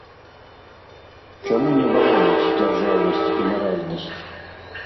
Чаму не бароняць дзяржаўнасць і маральнасць?